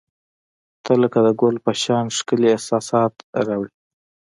• ته لکه د ګل په شان ښکلي احساسات راوړي.